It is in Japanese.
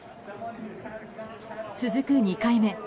続く２回目。